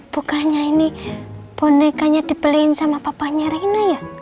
bukannya ini bonekanya dibeliin sama papanya reina ya